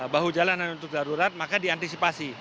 bahu jalan untuk darurat maka diantisipasi